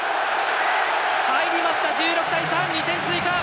入りました、１６対１３２点追加！